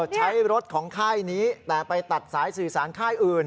ใช้รถของค่ายนี้แต่ไปตัดสายสื่อสารค่ายอื่น